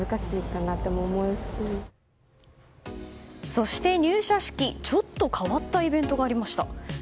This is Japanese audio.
そして入社式ちょっと変わったイベントがありました。